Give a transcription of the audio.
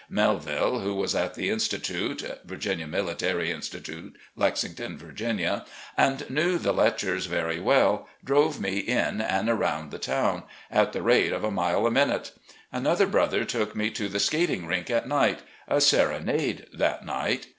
Melville, who was at the Institute [Virginia Military Institute, Lexing ton, Virginia] and knew the Letchers very well, drove me in and arotmd the town — ^at the rate of a mile a minute. Another brother took me to the ' Skating Rink' at night. ... a serenade that night.